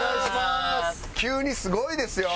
急にすごいですよ。